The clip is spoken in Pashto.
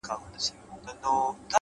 هره لاسته راوړنه د صبر نښه لري’